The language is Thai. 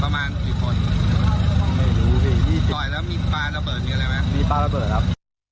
มีปลาระเบิดครับ